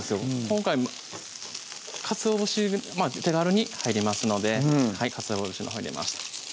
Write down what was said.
今回かつお節手軽に入りますのでかつお節のほう入れました